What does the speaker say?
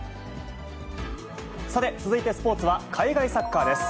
さて、続いてスポーツは、海外サッカーです。